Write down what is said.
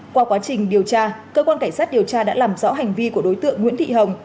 qua quá trình điều tra cơ quan cảnh sát điều tra đã làm rõ hành vi của đối tượng nguyễn thị hồng